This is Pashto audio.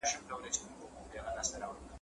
زه ستا سیوری لټومه ,